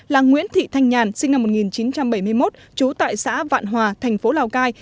là nguyễn thị thanh nhàn sinh năm một nghìn chín trăm bảy mươi một trú tại xã vạn hòa thành phố lào cai